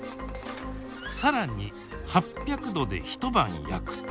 更に８００℃で一晩焼くと。